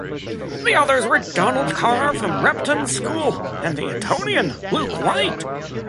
The others were Donald Carr from Repton School and the Etonian, Luke White.